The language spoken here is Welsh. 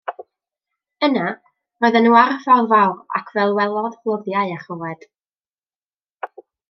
Yna roedden nhw ar y ffordd fawr ac fel welodd gloddiau a choed.